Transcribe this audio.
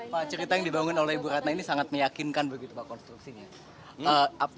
pak cerita yang dibangun oleh ibu ratna ini sangat meyakinkan begitu pak konstruksinya